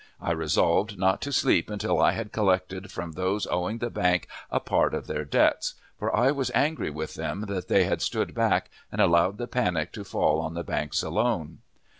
I resolved not to sleep until I had collected from those owing the bank a part of their debts; for I was angry with them that they had stood back and allowed the panic to fall on the banks alone.